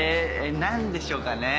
何でしょうかね？